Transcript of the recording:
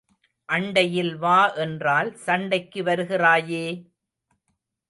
அண்டையில் வா என்றால் சண்டைக்கு வருகிறாயே!